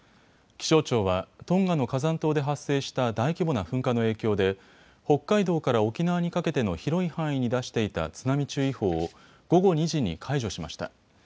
気象庁はトンガの火山島で発生した大規模な噴火の影響で北海道から沖縄にかけての広い範囲に出していた津波注意報を午後２時に解除しました。